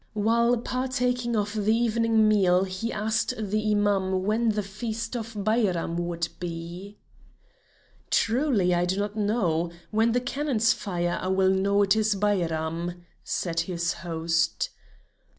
While partaking of the evening meal he asked the Imam when the feast of the Bairam would be. "Truly, I do not know! When the cannons fire, I will know it is Bairam," said his host.